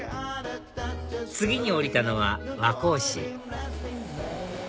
次に降りたのは和光市